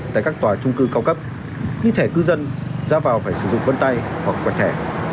tại các tòa trung cư cao cấp lý thẻ cư dân ra vào phải sử dụng vân tay hoặc quần thẻ